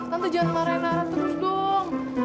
tante jangan marahin nara terus dong